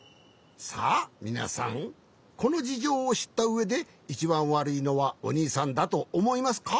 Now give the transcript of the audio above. さあみなさんこのじじょうをしったうえでいちばんわるいのはおにいさんだとおもいますか？